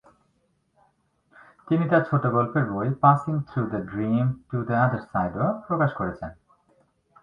তিনি তার ছোট গল্পের বই "passing through the dream to the other সাইড"ও প্রকাশ করেছেন।